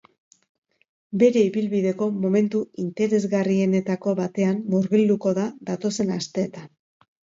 Bere ibilbideko momentu interesgarrienetako batean murgilduko da datozen asteetan.